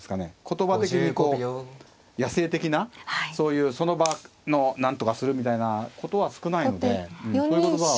言葉的にこう野性的なそういうその場のなんとかするみたいなことは少ないのでそういう言葉は。